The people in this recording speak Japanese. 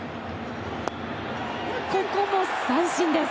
ここも三振です。